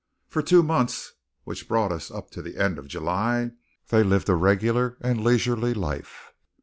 For two months, which brought us up to the end of July, they lived a regular and leisurely life.